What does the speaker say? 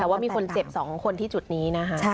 ว่ามีคนเจ็บ๒คนที่จุดนี้